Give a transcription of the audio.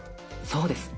そうです。